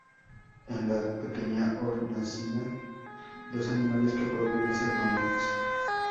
En la "Pequeña Hornacina", dos animales que podrían ser mamuts.